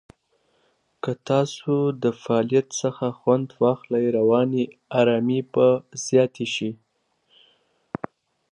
که تاسو د فعالیت څخه خوند واخلئ، رواني آرامۍ به زیاته شي.